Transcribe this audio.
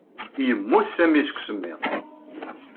Yemmut Sami seg usemmiḍ.